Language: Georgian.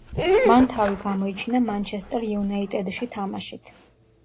მან თავი გამოიჩინა „მანჩესტერ იუნაიტედში“ თამაშით.